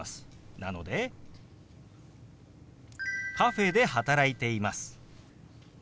なので「カフェで働いています」。